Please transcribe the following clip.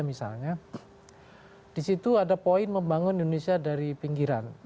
misalnya disitu ada poin membangun indonesia dari pinggiran